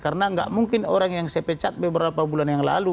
karena tidak mungkin orang yang saya pecat beberapa bulan yang lalu